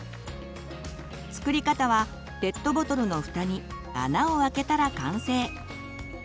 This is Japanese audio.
作り方はペットボトルのふたに穴を開けたら完成。